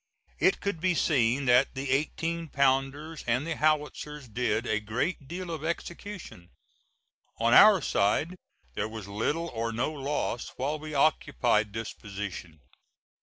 It could be seen that the eighteen pounders and the howitzers did a great deal of execution. On our side there was little or no loss while we occupied this position.